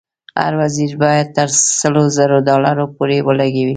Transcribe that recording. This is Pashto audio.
هر وزیر باید تر سلو زرو ډالرو پورې ولګوي.